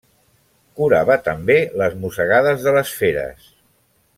Curava també les mossegades de les feres.